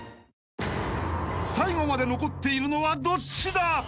［最後まで残っているのはどっちだ？］